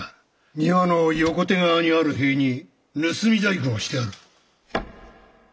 庭の横手側にある塀に盗み細工をしてある。